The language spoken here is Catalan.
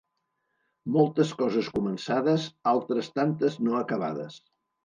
Moltes coses començades, altres tantes no acabades.